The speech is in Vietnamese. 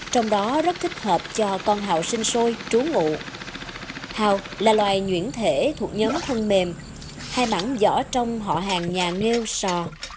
trong đó rất thích hợp cho con hào sinh sôi trú ngụ hào là loài nhuyễn thể thuộc nhóm phần mềm hai mảng giỏ trong họ hàng nhà neo sò